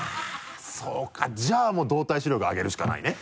そうかじゃあもう動体視力上げるしかないね。